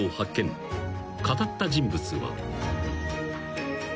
語った人物は］